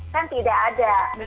kan tidak ada